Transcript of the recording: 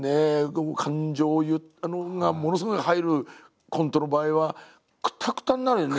感情がものすごい入るコントの場合はくたくたになるよね？